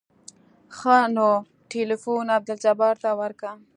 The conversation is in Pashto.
ښه نو ټېلفون عبدالجبار ته ورکه.